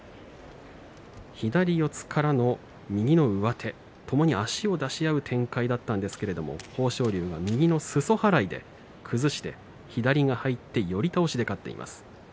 左四つからの右の上手ともに足を出し合う展開だったんですけども豊昇龍が右のすそ払いで崩して左が入って寄り倒して勝っています。